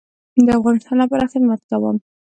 د افغانستان لپاره خدمت کوم